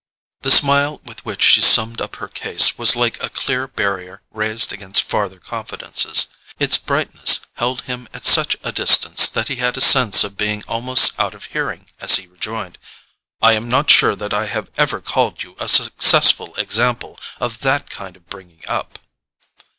The smile with which she summed up her case was like a clear barrier raised against farther confidences: its brightness held him at such a distance that he had a sense of being almost out of hearing as he rejoined: "I am not sure that I have ever called you a successful example of that kind of bringing up."